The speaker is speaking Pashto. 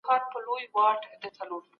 عاطفي اړيکې تر سياسي اړيکو ژورې وي.